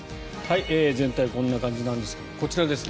全体、こんな感じなんですがこちらですね。